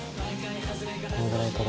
こんぐらいから。